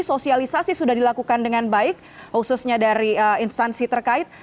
sosialisasi sudah dilakukan dengan baik khususnya dari instansi terkait